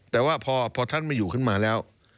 แต่ว่าพอท่านไม่อยู่ขึ้นมาแล้ว